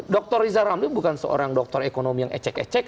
dr riza ramli bukan seorang doktor ekonomi yang ecek ecek